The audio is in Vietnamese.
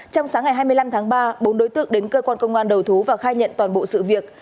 trong sáng ngày hai mươi năm tháng ba bốn đối tượng đến cơ quan công an đầu thú và khai nhận toàn bộ sự việc